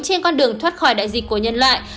trên con đường thoát khỏi đại dịch của nhân loại